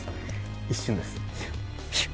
一瞬です。